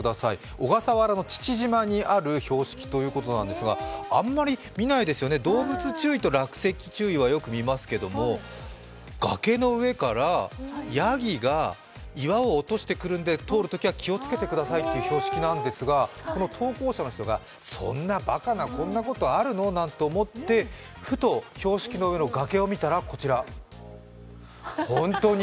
小笠原の父島にある標識ということなんですがあんまり見ないですよね、動物注意と落石注意はよく見ますけれども、よく見ますけれども、崖の上からやぎが岩を落としてくるんで通るときは気をつけてくださいという標識なんですがこの投稿者の人がそんなバカなこんなことあるの？なんて思ってふと標識の上の崖を見たら、こちら。